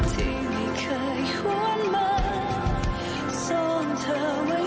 เห็นมั้ย